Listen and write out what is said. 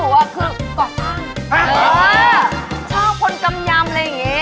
ว่าคือ